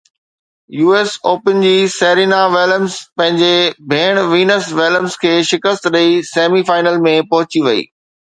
U S open جي Serena Williams پنهنجي ڀيڻ وينس وليمز کي شڪست ڏئي سيمي فائنل ۾ پهچي وئي